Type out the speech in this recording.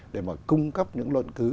để mà cung cấp những luận cứu